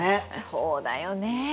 そうだよね。